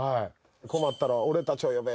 「困ったらおれ達を呼べ！！！」